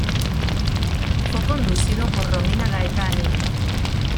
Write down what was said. Fue conducido por Romina Gaetani.